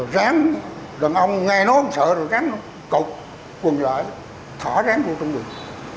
ráng đàn ông nghe nói sợ rồi ráng cục quần lại thỏa ráng vào trong mình